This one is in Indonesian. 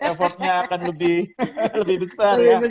effortnya akan lebih besar